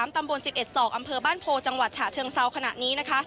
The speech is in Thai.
ตำบล๑๑ศอกอำเภอบ้านโพจังหวัดฉะเชิงเซาขณะนี้นะคะ